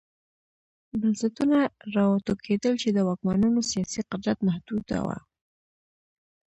بنسټونه را وټوکېدل چې د واکمنانو سیاسي قدرت محدوداوه.